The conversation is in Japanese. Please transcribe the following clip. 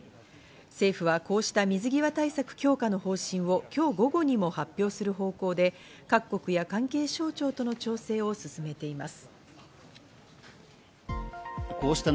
政府はこうした水際対策強化の方針を今日午後にも発表する方向で各国や関係省庁との調整を進めています。